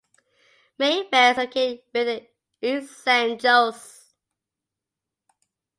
Mayfair is located within East San Jose.